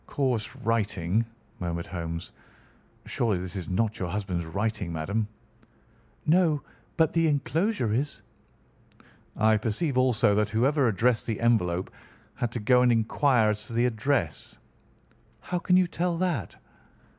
"Coarse writing," murmured Holmes. "Surely this is not your husband's writing, madam." "No, but the enclosure is." "I perceive also that whoever addressed the envelope had to go and inquire as to the address." "How can you tell that?"